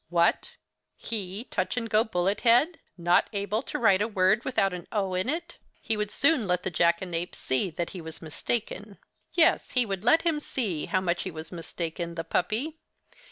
What!—he Touch and go Bullet head!—not able to write a word without an O in it! He would soon let the jackanapes see that he was mistaken. Yes! he would let him see how much he was mistaken, the puppy!